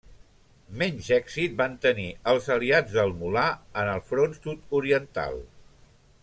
Menys èxit van tenir els aliats del mul·là en el front sud-oriental.